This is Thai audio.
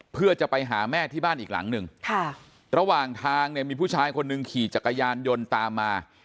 เพื่อจะไปหาแม่ที่บ้านอีกหลังหนึ่งค่ะระหว่างทางเนี่ยมีผู้ชายคนหนึ่งขี่จักรยานยนต์ตามมา